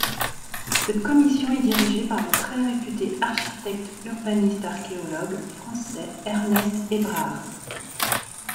Cette commission est dirigée par le très réputé architecte-urbaniste-archéologue français Ernest Hébrard.